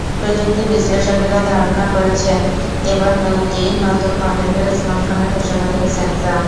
প্রযুক্তি বিশ্লেষকেরা ধারণা করছেন, এবার দুটি নতুন মডেলের স্মার্টফোনের ঘোষণা দেবে স্যামসাং।